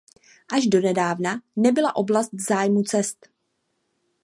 Až donedávna nebyla oblast v zájmu cest.